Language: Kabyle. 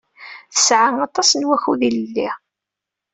Tesɛa aṭas n wakud ilelli.